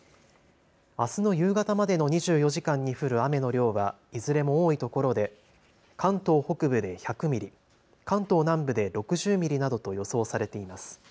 あすの夕方までの２４時間に降る雨の量はいずれも多いところで関東北部で１００ミリ、関東南部で６０ミリなどと予想されています。